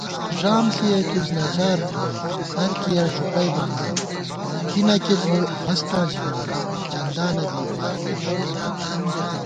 ݫام لېئیتُوس نجار تھنہ ہر کِیَہ ݫُپئ بَمان * کی نہ کی خو ہستاں ژِمان، چندانہ بی واری لَگمان تِتا